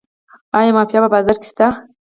آیا مافیا په بازار کې شته؟